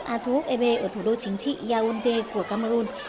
a thuốc e b ở thủ đô chính trị yaunte của cameroon